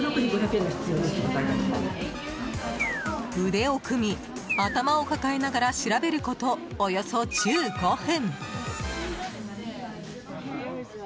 腕を組み、頭を抱えながら調べることおよそ１５分。